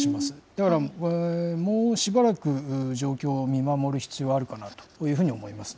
だからもうしばらく状況を見守る必要あるかなというふうに思います。